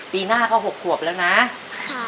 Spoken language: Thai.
ปีหน้าหนูต้อง๖ขวบให้ได้นะลูก